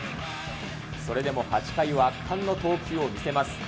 それでも８回は、圧巻の投球を見せます。